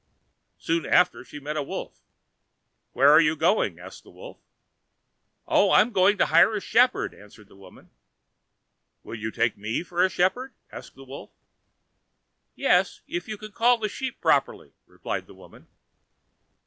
Soon after she met a wolf. "Where are you going?" asked the wolf. "Oh, I'm going to hire a shepherd," answered the woman. "Will you take me for a shepherd?" asked the wolf. "Yes, if you can call the sheep properly," replied the woman.